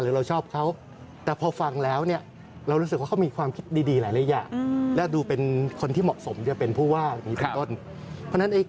รอจนทั้งวันนี้รอจนกระทั่งไปถึงหน้าหน่วย